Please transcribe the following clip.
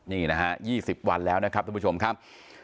นี่นะฮะ๒๐วันแล้วนะครับทุกผู้ชมครับ